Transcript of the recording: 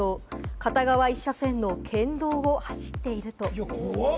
片側一車線の県道を走っていると。